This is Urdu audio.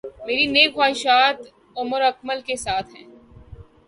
میری نیک خواہشات عمر اکمل کے ساتھ ہیں